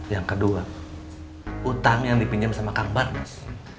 yang kedua utang yang dipinjam sama kang bart mas